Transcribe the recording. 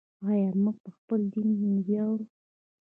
آیا موږ په خپل دین نه ویاړو؟